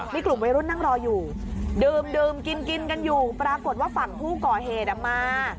มีกลุ่มวัยรุ่นนั่งรออยู่ดื่มกินกินกันอยู่ปรากฏว่าฝั่งผู้ก่อเหตุมา